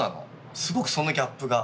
すごくそのギャップが。